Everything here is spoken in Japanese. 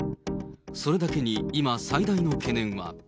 それだけに今、最大の懸念は。